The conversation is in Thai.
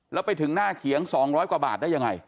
แล้วไปถึงหน้าเขียง๒๐๐กว่าบาทได้ยังไง